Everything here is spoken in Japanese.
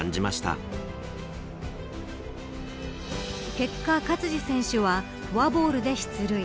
結果、勝児選手はフォアボールで出塁。